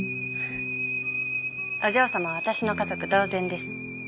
お嬢様は私の家族同然です。